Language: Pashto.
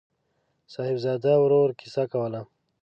صاحبزاده ورور کیسه کوله.